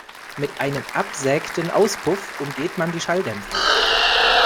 Mit einem absägten Auspuff umgeht man die Schalldämpfer.